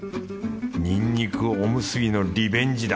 にんにくおむすびのリベンジだ！